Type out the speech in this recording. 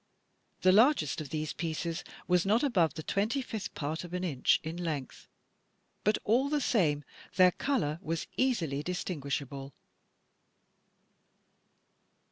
The largest of these pieces was not above the twenty fifth part of an inch in length; but all the same their color was easily distinguishable.